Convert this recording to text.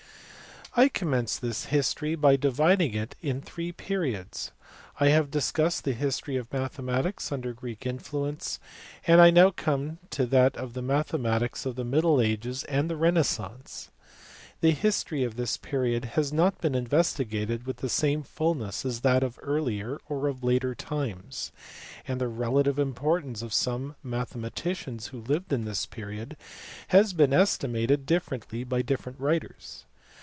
133 I commenced this history by dividing it in three periods. I have discussed the history of mathematics under Greek influ ence, and I now come to that of the mathematics of the middle ages and renaissance. The history of this period has not been investigated with the same fulness as that of earlier or of later times, and the relative importance of some mathematicians who lived in this period has been estimated differently by different writers.